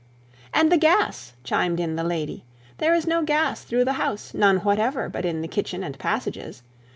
'And the gas,' chimed in the lady; 'there is no gas through the house, none whatever, but in the kitchen and passages.